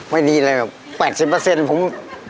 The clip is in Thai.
ไม่ดีเลยแบบ๘๐ผม